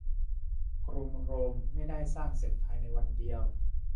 กรุงโรมไม่ได้สร้างเสร็จภายในวันเดียว